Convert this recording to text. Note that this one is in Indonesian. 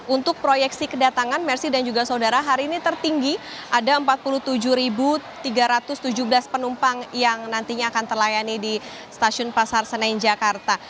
untuk proyeksi kedatangan mercy dan juga saudara hari ini tertinggi ada empat puluh tujuh tiga ratus tujuh belas penumpang yang nantinya akan terlayani di stasiun pasar senen jakarta